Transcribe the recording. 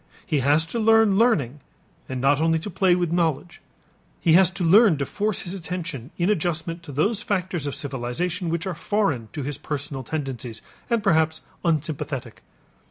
He has to learn learning and not only to play with knowledge, he has to learn to force his attention in adjustment to those factors of civilization which are foreign to his personal tendencies and perhaps unsympathetic.